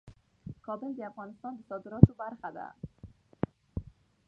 کابل د افغانستان د صادراتو برخه ده.